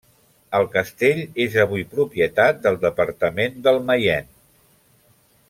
El castell és avui propietat del Departament del Mayenne.